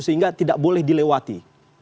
sehingga tidak boleh dilewati